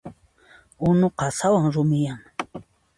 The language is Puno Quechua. Unu qasawan rumiyan.